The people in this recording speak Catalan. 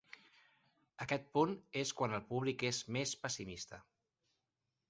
Aquest punt és quan el públic és més pessimista.